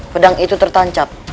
pedang itu tertancap